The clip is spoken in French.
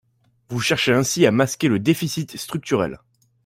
Vous cherchez ainsi à masquer le déficit structurel.